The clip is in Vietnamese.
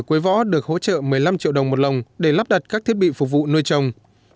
quế võ được hỗ trợ một mươi năm triệu đồng một lồng để lắp đặt các thiết bị phục vụ nuôi trồng